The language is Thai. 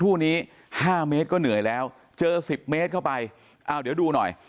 คู่นี้๕เมตรก็เหนื่อยแล้วเจอสิบเมตรเข้าไปอ้าวเดี๋ยวดูหน่อย